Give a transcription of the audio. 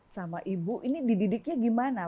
sama ibu ini dididiknya gimana